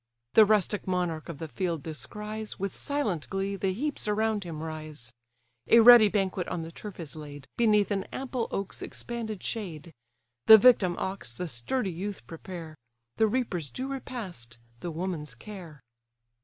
The rustic monarch of the field descries, With silent glee, the heaps around him rise. A ready banquet on the turf is laid, Beneath an ample oak's expanded shade. The victim ox the sturdy youth prepare; The reaper's due repast, the woman's care.